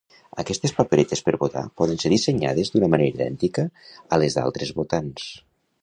Aquestes paperetes per votar poden ser dissenyades de manera idèntica a les d'altres votants.